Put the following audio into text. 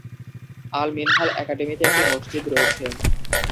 আল-মিনহাল একাডেমিতে একটি মসজিদ রয়েছে।